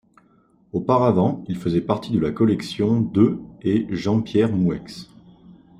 Auparavant il faisait partie de la collection de et Jean-Pierre Moueix.